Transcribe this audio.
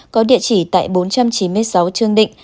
có địa chỉ tại bốn trăm chín mươi sáu trương định